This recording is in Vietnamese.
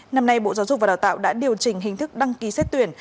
năm nay bộ giáo dục và đào tạo đã điều chỉnh hình thức đăng ký xét tuyển